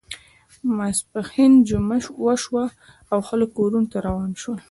د ماسپښین جمعه وشوه او خلک کورونو ته روان شول.